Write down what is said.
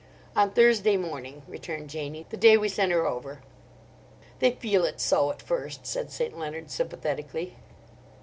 "On Thursday morning," returned Janie; "the day we sent her over." "They feel it so at first," said St. Leonard sympathetically.